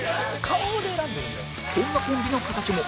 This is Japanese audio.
こんなコンビの形も。